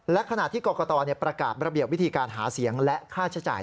และขณะที่กรกตประกาศระเบียบวิธีการหาเสียงและค่าใช้จ่าย